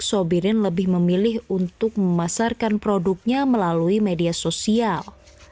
sobirin lebih memilih untuk memasarkan produknya melalui media sosial